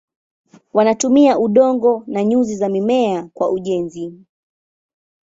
Wanatumia udongo na nyuzi za mimea kwa ujenzi.